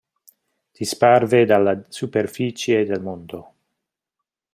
Disparve dalla superficie del mondo.